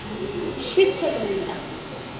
შვიდსეგმენტა